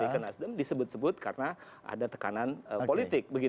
ketika nasdem disebut sebut karena ada tekanan politik